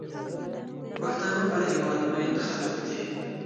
پښتانه پر هېواد مین خلک دي.